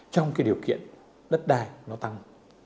trong cái điều kiện đất đai nó tăng